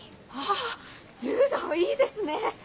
あ柔道いいですね。